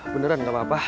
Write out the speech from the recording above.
beneran gak apa apa